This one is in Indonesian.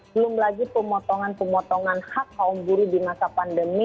belum lagi pemotongan pemotongan hak kaum buruh di masa pandemi